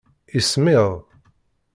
Ismiḍ.